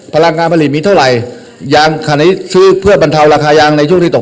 พลังการผลิตมีเท่าไหร่ยางคันนี้ซื้อเพื่อบรรเทาราคายางในช่วงที่ตก